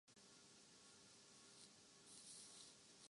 اس وقت پیش آیا جب آپ صلی اللہ علیہ وسلم مسجد میں معتکف تھے